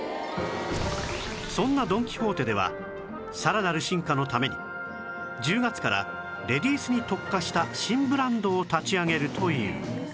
そんなドン・キホーテではさらなる進化のために１０月からレディースに特化した新ブランドを立ち上げるという